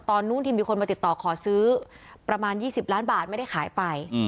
นู่นที่มีคนมาติดต่อขอซื้อประมาณ๒๐ล้านบาทไม่ได้ขายไป